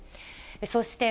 そして、